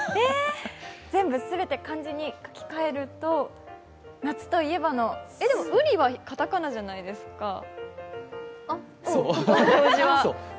全部全て漢字に置き換えると夏といえばでもウリはかたかなじゃないですか、表示は。